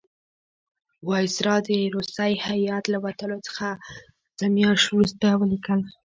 وایسرا د روسی هیات له وتلو څه میاشت وروسته ولیکل.